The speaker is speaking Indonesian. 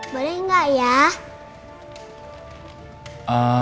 boleh nggak ya